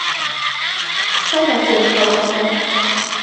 Садак ом каласе.